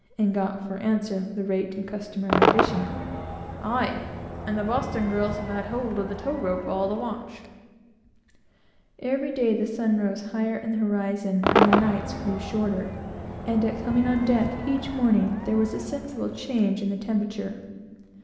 and got for answer, the rate, and the customary addition "Aye! and the Boston girls have had hold of the tow rope all the watch, and can't haul half the slack in!" Each day the sun rose higher in the horizon, and the nights grew shorter; and at coming on deck each morning, there was a sensible change in the temperature.